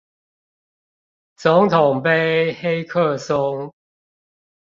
總統盃黑客松